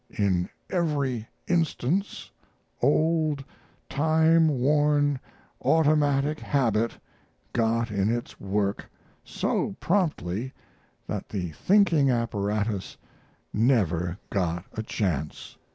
In every instance old, time worn automatic habit got in its work so promptly that the thinking apparatus never got a chance.